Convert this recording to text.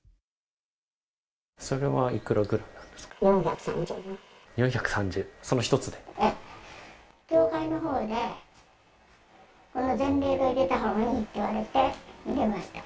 それはいくらぐらいなんですか。